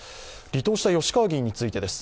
離党した吉川議員についてです。